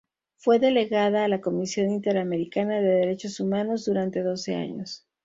Fue delegada a la Comisión Interamericana de Derechos Humanos durante doce años.